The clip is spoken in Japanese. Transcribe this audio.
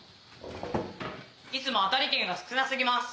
いつも当たり券が少なすぎます。